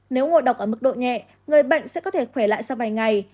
nếu ngộ độc ở mức độ nhẹ người bệnh sẽ có thể khỏe lại sau vài ngày